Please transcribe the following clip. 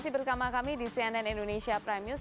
masih bersama kami di cnn indonesia prime news